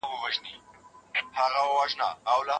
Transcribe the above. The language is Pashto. ولي هوډمن سړی د لایق کس په پرتله لاره اسانه کوي؟